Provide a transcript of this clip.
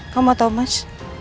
kamu tau mas